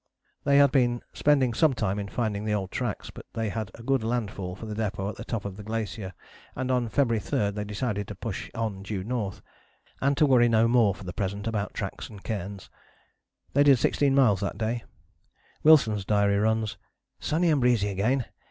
" They had been spending some time in finding the old tracks. But they had a good landfall for the depôt at the top of the glacier and on February 3 they decided to push on due north, and to worry no more for the present about tracks and cairns. They did 16 miles that day. Wilson's diary runs: "Sunny and breezy again.